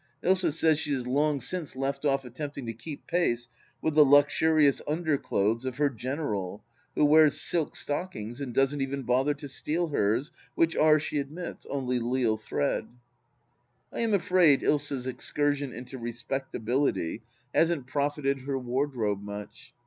Ilsa says she has long since left off attempting to keep pace with the luxurious underclothes of her " general," who wears silk stockings and doesn't even bother to steal hers, which are, she admits, only Lisle thread. I am afraid Ilsa's excursion into respectability hasn't profited her wardrobe much.